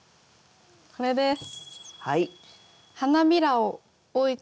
これです。